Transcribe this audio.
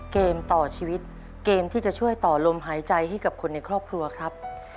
เกมต่อชีวิตเกมที่จะช่วยต่อลมหายใจให้กับคนในครอบครัวครับ